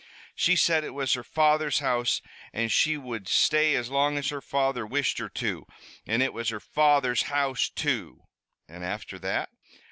"She said it was her father's house, an' she would stay as long as her father wished her to. An' it was her father's house, too." "And after that?"